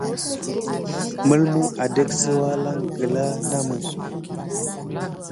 Mulmu adek sə walanŋ gkla namə.